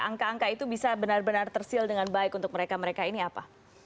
angka angka itu bisa benar benar tersial dengan baik untuk mereka mereka ini apa